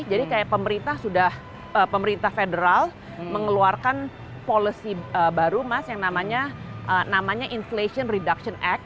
jadi kayak pemerintah sudah pemerintah federal mengeluarkan policy baru mas yang namanya inflation reduction act